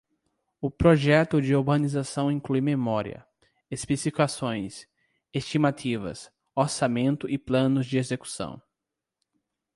O projeto de urbanização inclui memória, especificações, estimativas, orçamento e planos de execução.